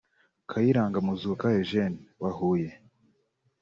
Kayiranga Muzuka Eugène wa Huye